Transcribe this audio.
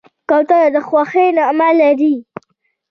کوتره د خوښۍ نغمه لري.